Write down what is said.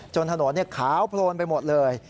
ถนนขาวโพลนไปหมดเลย